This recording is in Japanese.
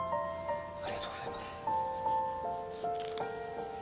ありがとうございます。